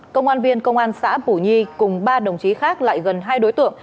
công an viên công an xã bù nhi cùng ba đồng chí khác lại gần hai đối tượng